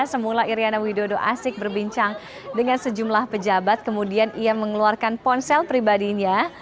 semula iryana widodo asik berbincang dengan sejumlah pejabat kemudian ia mengeluarkan ponsel pribadinya